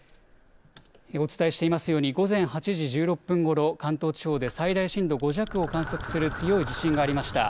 お伝えしていますように午前８時１６分ごろ、関東地方で最大震度５弱を観測する強い地震がありました。